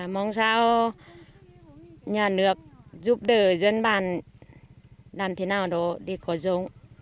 mong sao nhà nước giúp đỡ dân bản làm thế nào đó để có giống